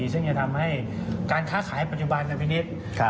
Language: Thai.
ซึ่งจะทำให้การค้าขายปัจจุบันกันไปนิด